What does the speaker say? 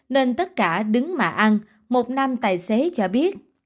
nên tất cả đứng mà ăn một nam tài xế cho biết